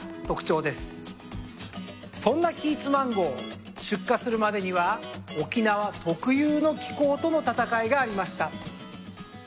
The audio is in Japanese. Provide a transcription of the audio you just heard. そんなキーツマンゴー出荷するまでには沖縄特有の気候との戦いがありました。